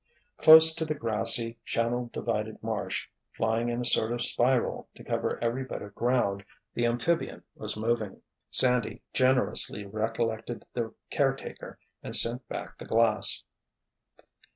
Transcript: Close to the grassy, channel divided marsh, flying in a sort of spiral to cover every bit of ground, the amphibian was moving. Sandy generously recollected the caretaker and sent back the glass.